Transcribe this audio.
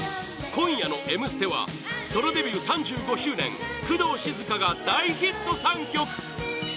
今夜の「Ｍステ」はソロデビュー３５周年工藤静香が大ヒット３曲！